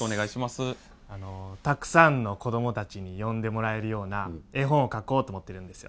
たくさんの子供たちに読んでもらえるような絵本を描こうと思ってるんですよ。